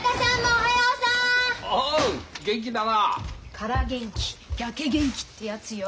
カラ元気ヤケ元気ってやつよ。